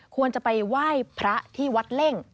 ควรจะไปไหว้พระที่วัดเล่ง